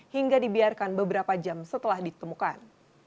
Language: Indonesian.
hingga dibiarkan beberapa jam setelah ditemukan